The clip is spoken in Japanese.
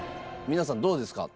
皆さんどうですか？